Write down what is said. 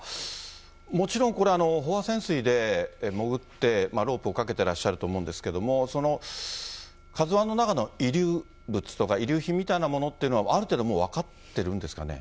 もちろんこれ、飽和潜水で潜ってロープをかけてらっしゃると思うんですけれども、ＫＡＺＵＩの中の遺留物とか遺留品みたいなものって、ある程度、もう分かってるんですかね。